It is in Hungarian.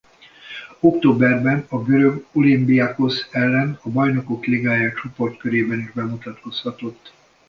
Októberben a görög Olimbiakósz ellen a Bajnokok Ligája csoportkörében is bemutatkozhatott.